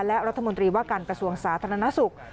และรัฐมนตรีว่าการกระทรวงศาสตร์ธนาศุกร์